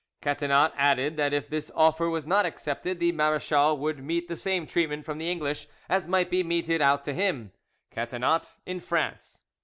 Catinat added that if this offer was not accepted, the marechal would meet the same treatment from the English as might be meted out to him, Catinat, in France.